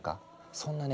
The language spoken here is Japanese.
そんなね